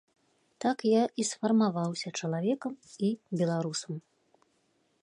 Так я і сфармаваўся чалавекам і беларусам.